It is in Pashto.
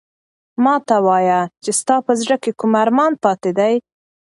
ما ته وایه چې ستا په زړه کې کوم ارمان پاتې دی؟